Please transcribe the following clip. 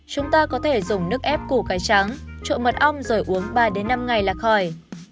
chúng ta có thể dùng nước ép củ cái trắng trộn mật ong rồi uống ba năm ngày là khỏi